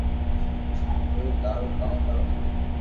ھونن ٿارو ڪاو ڪرو